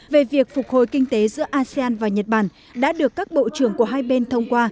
về việc phục hồi kinh tế giữa asean và nhật bản đã được các bộ trưởng của hai bên thông qua